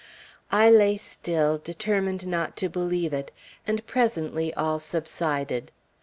I lay still, determined not to believe it; and presently all subsided.